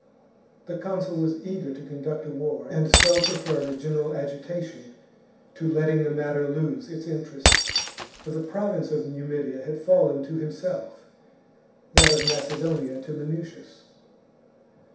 The consul was eager to conduct a war, and so preferred a general agitation to letting the matter lose its interest ; for the province of Numidia had fallen to himself, that of Macedonia to Minucius.